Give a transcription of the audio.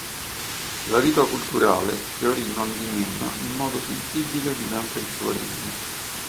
La vita culturale fiorì nondimeno in modo sensibile durante il suo regno.